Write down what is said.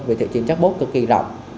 vì thị trường jackpot cực kỳ rộng